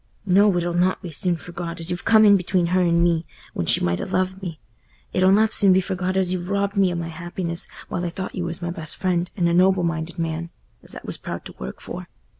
"No, it'll not be soon forgot, as you've come in between her and me, when she might ha' loved me—it'll not soon be forgot as you've robbed me o' my happiness, while I thought you was my best friend, and a noble minded man, as I was proud to work for.